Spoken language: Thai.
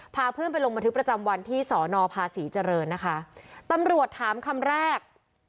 พาเพื่อนไปลงบันทึกประจำวันที่สอนอภาษีเจริญนะคะตำรวจถามคำแรก